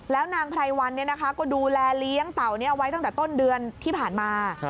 แล้วนางพลัยวันเนี่ยนะคะก็ดูแลเลี้ยงเต่านี้เอาไว้ตั้งแต่ต้นเดือนที่ผ่านมา